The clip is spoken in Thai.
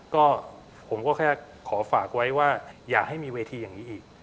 ก็ผมก็แค่ขอฝากไว้ว่าอย่าให้มีเวทีอย่างนี้อีก